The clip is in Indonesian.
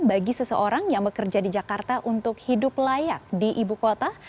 bagi seseorang yang bekerja di jakarta untuk hidup layak di ibu kota